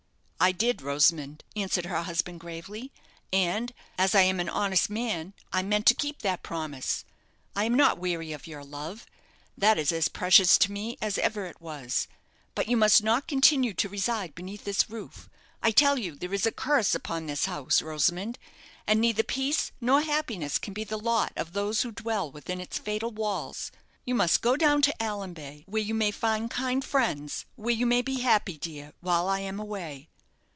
"I did, Rosamond," answered her husband, gravely, "and, as I am an honest man, I meant to keep that promise! I am not weary of your love that is as precious to me as ever it was. But you must not continue to reside beneath this roof. I tell you there is a curse upon this house, Rosamond, and neither peace nor happiness can be the lot of those who dwell within its fatal walls. You must go down to Allanbay, where you may find kind friends, where you may be happy, dear, while I am away."